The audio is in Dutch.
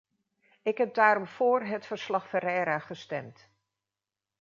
Ik heb daarom voor het verslag-Ferreira gestemd.